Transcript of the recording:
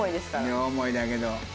両思いだけど。